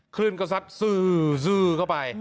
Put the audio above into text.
คลื่นก็ซัดซื่อเข้าไป